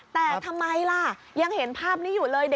แต่ทำไมล่ะยังเห็นภาพนี้อยู่เลย